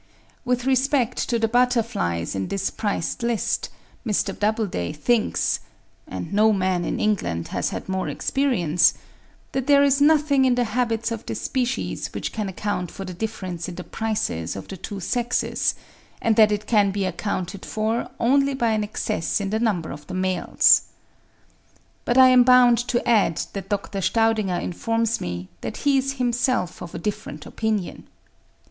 With respect to the butterflies in this priced list, Mr. Doubleday thinks (and no man in England has had more experience), that there is nothing in the habits of the species which can account for the difference in the prices of the two sexes, and that it can be accounted for only by an excess in the number of the males. But I am bound to add that Dr. Staudinger informs me, that he is himself of a different opinion.